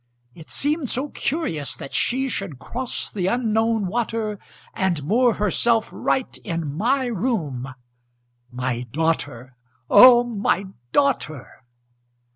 It seemed so curious that she Should cross the Unknown water, And moor herself right in my room, My daughter, O my daughter!